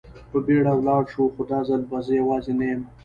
په بېړه ولاړ شو، خو دا ځل به زه یوازې نه یم.